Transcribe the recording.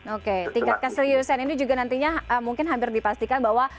oke tingkat keseriusan ini juga nantinya mungkin hampir dipastikan bahwa